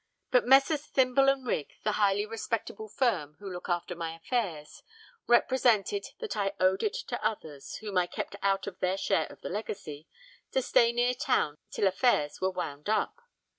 But Messrs. Thimble and Rigg, the highly respectable firm who look after my affairs, represented that I owed it to others, whom I kept out of their share of the legacy, to stay near town till affairs were wound up.